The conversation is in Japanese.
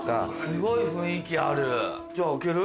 すごい雰囲気ある。